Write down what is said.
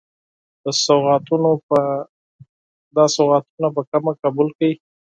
دا سوغاتونه په کمه قبول کړئ.